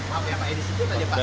maaf ya pak edi sikit aja